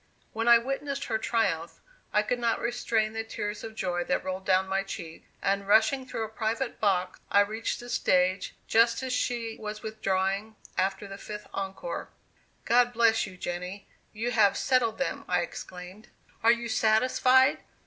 When I witnessed her triumph, I could not restrain the tears of joy that rolled down my cheeks; and rushing through a private box, I reached the stage just as she was withdrawing after the fifth encore. "God bless you, Jenny, you have settled them!" I exclaimed. "Are you satisfied?"